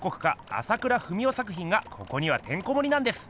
朝倉文夫作品がここにはてんこもりなんです。